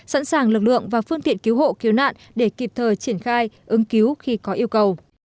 sẵn sàng lực lượng và phương tiện cứu hộ cứu nạn để kịp thời triển khai ứng cứu khi có yêu cầu